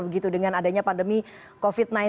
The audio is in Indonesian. begitu dengan adanya pandemi covid sembilan belas